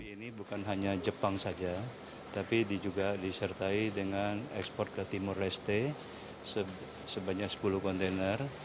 ini bukan hanya jepang saja tapi juga disertai dengan ekspor ke timur leste sebanyak sepuluh kontainer